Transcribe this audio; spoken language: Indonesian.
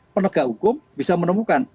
penegak hukum bisa menemukan